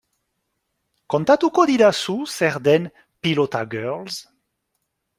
Kontatuko didazu zer den Pilota Girls?